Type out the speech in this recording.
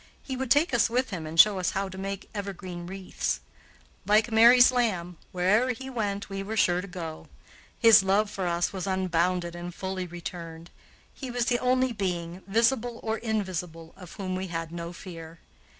He would take us with him and show us how to make evergreen wreaths. Like Mary's lamb, where'er he went we were sure to go. His love for us was unbounded and fully returned. He was the only being, visible or invisible, of whom we had no fear.